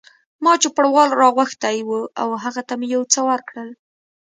ما چوپړوال را غوښتی و او هغه ته مې یو څه ورکړل.